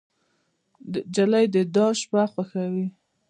نجلۍ د دعا شپه خوښوي.